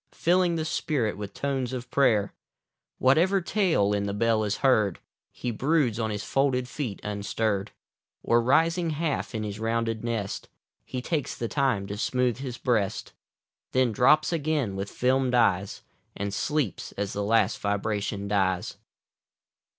Filling the spirit with tones of prayer Whatever tale in the bell is heard, lie broods on his folded feet unstirr'd, Oi, rising half in his rounded nest. He takes the time to smooth his breast. Then drops again with fdmed eyes, And sleeps as the last vibration dies.